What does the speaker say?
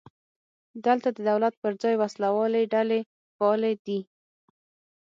دلته د دولت پر ځای وسله والې ډلې فعالې دي.